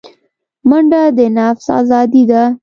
منډه د نفس آزادي ده